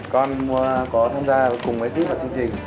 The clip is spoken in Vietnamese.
con có tham gia cùng với thích vào chương trình